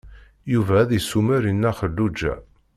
Yuba ad isumer i Nna Xelluǧa.